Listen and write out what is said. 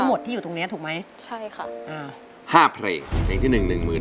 หมดที่อยู่ตรงเนี้ยถูกไหมใช่ค่ะอ่าห้าเพลงเพลงที่หนึ่งหนึ่งหมื่น